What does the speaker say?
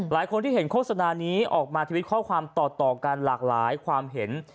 หลายคนที่เห็นโฆษณานี้ออกมาทวิตข้อความต่อกันหลากหลายความเห็น